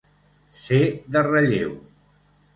Ser de relleu.